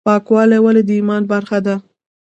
پاکوالی ولې د ایمان برخه ده؟